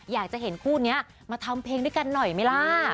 อยากจะเห็นคู่นี้มาทำเพลงด้วยกันหน่อยไหมล่ะ